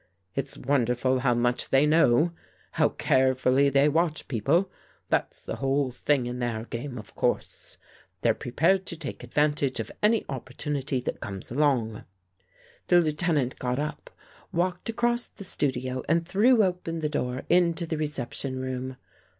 It's wonderful how much they know; how carefully they watch people. That's the whole thing in their gam^e, of course. They're prepared to take ad vantage of any opportunity that comes along." The Lieutenant got up, walked across the studio and threw open the door into the reception room.